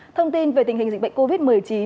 thông tin về tình hình dịch bệnh covid một mươi chín